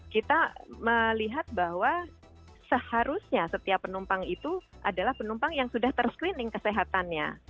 kita melihat bahwa seharusnya setiap penumpang itu adalah penumpang yang sudah ter screening kesehatannya